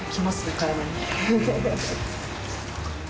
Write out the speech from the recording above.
体に。